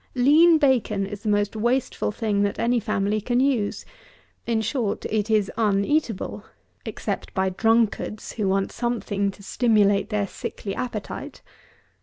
Lean bacon is the most wasteful thing that any family can use. In short, it is uneatable, except by drunkards, who want something to stimulate their sickly appetite.